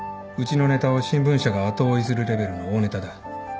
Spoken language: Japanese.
うちのネタを新聞社が後追いするレベルの大ネタだ。